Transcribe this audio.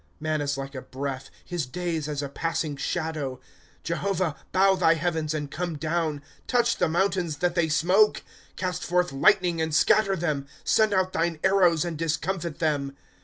^ Man is like a breath ; His days as a passing shadow. ^ Jehovah, bow thy heavens, and come down ; Touch the mountains, that they smoke. ^ Cast forth lightning, and scatter them ; Send out thine arrows, and discomfit them.